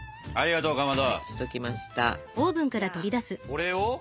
これを？